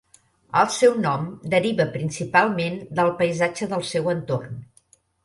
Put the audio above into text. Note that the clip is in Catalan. El seu nom deriva principalment del paisatge del seu entorn.